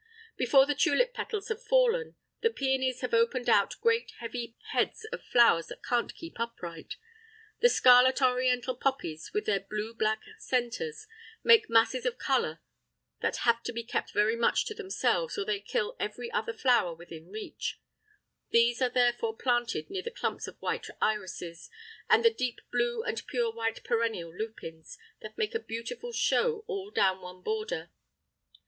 Before the tulip petals have fallen, the peonies have opened out great heavy heads of flowers that can't keep upright. The scarlet oriental poppies with their blue black centres make masses of colour that have to be kept very much to themselves or they kill every other flower within reach; these are therefore planted near the clumps of white irises, and the deep blue and pure white perennial lupins, that make a beautiful show all down one border.